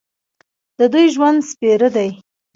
د دوی ژوند سپېره دی.